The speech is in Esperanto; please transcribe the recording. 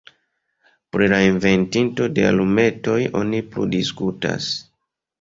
Pri la inventinto de alumetoj oni plu diskutas.